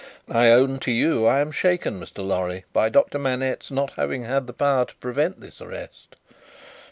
I own to you, I am shaken, Mr. Lorry, by Doctor Manette's not having had the power to prevent this arrest."